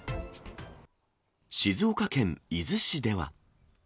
静岡県伊豆市では。